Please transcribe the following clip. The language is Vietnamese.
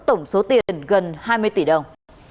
tổng số tiền gần hai mươi tỷ đồng